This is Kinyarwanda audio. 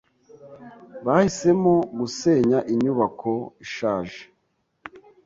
Bahisemo gusenya inyubako ishaje.